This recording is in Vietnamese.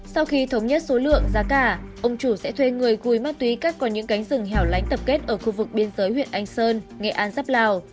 sau khi thống nhất số lượng giá cả ông chủ sẽ thuê người gùi ma túy cắt vào những cánh rừng hẻo lánh tập kết ở khu vực biên giới huyện anh sơn nghệ an dắp lào